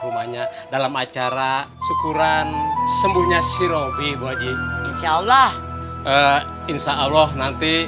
rumahnya dalam acara syukuran sembuhnya shirobi boji insyaallah insyaallah nanti